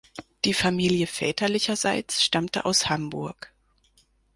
Die Familie väterlicherseits stammte aus Hamburg.